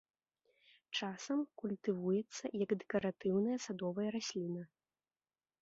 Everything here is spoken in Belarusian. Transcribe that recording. Часам культывуецца як дэкаратыўная садовая расліна.